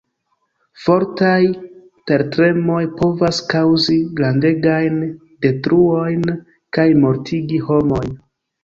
Fortaj tertremoj povas kaŭzi grandegajn detruojn kaj mortigi homojn.